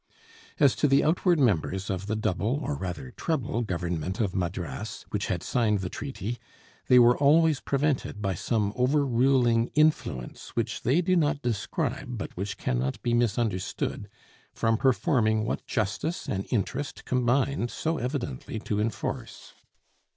As to the outward members of the double, or rather treble, government of Madras, which had signed the treaty, they were always prevented by some over ruling influence (which they do not describe but which cannot be misunderstood) from performing what justice and interest combined so evidently to enforce.